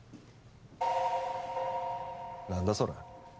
何だそれ？